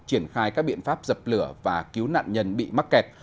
triển khai các biện pháp dập lửa và cứu nạn nhân bị mắc kẹt